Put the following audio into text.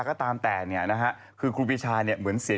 เพราะว่าพรุ่งนี้ก็เป็นวันหยุดอีกหนึ่งวัน